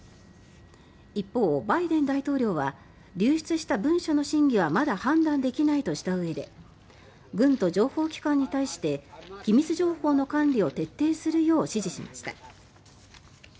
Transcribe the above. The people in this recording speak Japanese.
一方、バイデン大統領は流出した文書の真偽はまだ判断できないとしたうえで軍と情報機関に対して機密文書の管理を徹底するよう指示しました。